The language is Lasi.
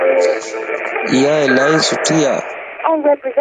اھا الائي سٺي ا